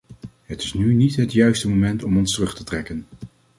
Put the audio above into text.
Het is nu niet het juiste moment om ons terug te trekken.